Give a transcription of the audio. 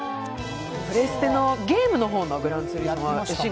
プレステのゲームの方の「グランツーリスモ」。